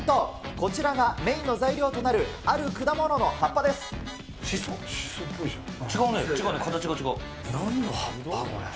こちらがメインの材料となるある果物の葉っぱです。